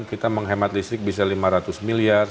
kita menghemat listrik bisa lima ratus miliar